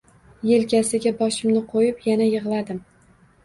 Elkasiga boshimni qo`yib, yana yig`ladim